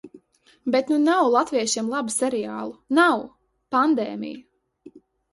Bet nu nav latviešiem labu seriālu – nav. Pandēmija.